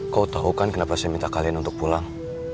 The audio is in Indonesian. kau tahu kan kenapa saya minta kalian untuk pulang